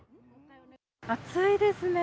暑いですね。